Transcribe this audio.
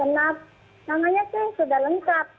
namanya sih sudah lengkap